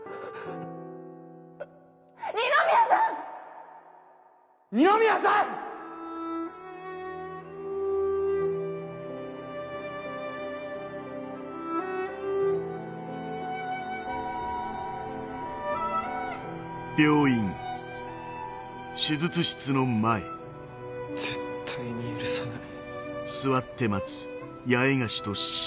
二宮さん‼二宮さん‼絶対に許さない。